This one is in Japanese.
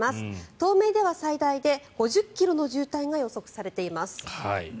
東名では最大で５０ｋｍの渋滞が予測されています。